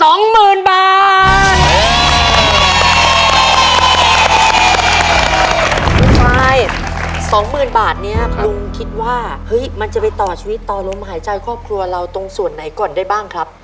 ลูกชาย๒๐๐๐บาทนี้ลุงคิดว่าเฮ้ยมันจะไปต่อชีวิตต่อลมหายใจครอบครัวเราตรงส่วนไหนก่อนได้บ้างครับ